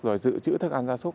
rồi giữ chữ thức ăn da súc